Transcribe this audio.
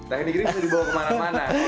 teknik bisa dibawa kemana mana